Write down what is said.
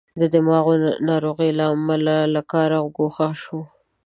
دماغې ناروغۍ له امله له کاره ګوښه شو.